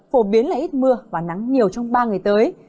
phổ biến là ít mưa và nắng nhiều trong ba ngày tới